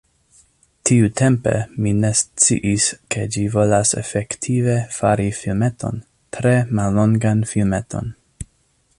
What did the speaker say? Tiutempe, mi ne sciis ke ĝi volas efektive, fari filmeton, tre mallongan filmeton.